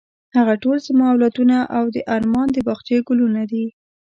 هغه ټول زما اولادونه او د ارمان د باغچې ګلونه دي.